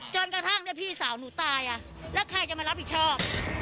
จนกระทั่งพี่สาวหนูตายแล้วใครจะมารับผิดชอบ